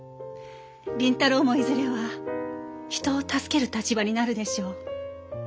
麟太郎もいずれは人を助ける立場になるでしょう。